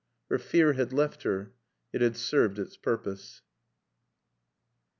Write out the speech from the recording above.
Her fear had left her. It had served its purpose.